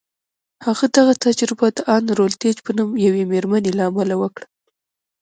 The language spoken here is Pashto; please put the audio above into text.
هغه دغه تجربه د ان روتليج په نوم يوې مېرمنې له امله وکړه.